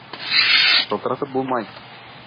Шылтыратып булмай.